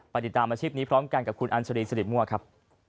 ติดตามอาชีพนี้พร้อมกันกับคุณอัญชรีสิริมั่วครับ